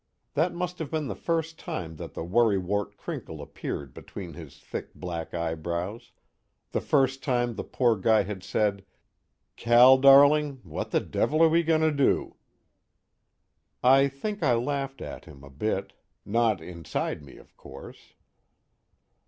That must have been the first time that the worry wart crinkle appeared between his thick black eyebrows, the first time the poor guy had said: "Cal, darling, what the devil are we going to do?" _I think I laughed at him, a bit. Not inside me of course.